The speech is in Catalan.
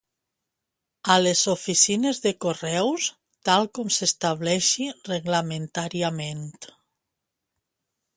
A les oficines de Correus, tal com s'estableixi reglamentàriament.